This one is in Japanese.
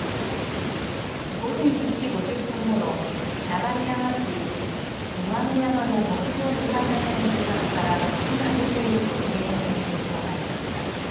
午前１時５０分ごろ、流山市三輪野山の木造２階建ての住宅から火が出ていると警察に通報がありました。